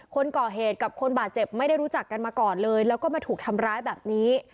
คนก่อเหตุกับคนบาดเจ็บไม่ได้รู้จักกันมาก่อนเลยแล้วก็มาถูกทำร้ายแบบนี้